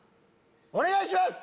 お願いします！